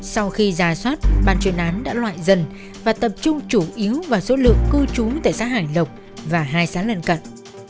sau khi ra soát ban chuyên án đã loại dần và tập trung chủ yếu vào số lượng cư trú tại xã hải lộc và hai xã lần cận